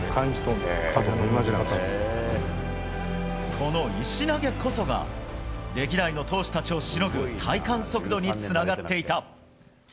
この石投げこそが歴代の投手たちをしのぐ体感速度につながっていた。